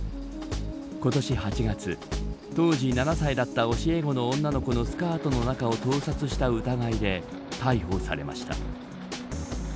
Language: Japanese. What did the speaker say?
今年８月当時７歳だった教え子の女の子のスカートの中を盗撮した疑いで逮捕されました。